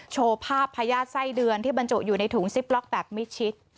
โชว์ภาพพญาติไส้เดือนที่บรรจุอยู่ในถุงซิปล็อกแบบมิดชิด